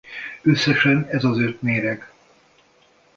Összesen ez az öt méreg.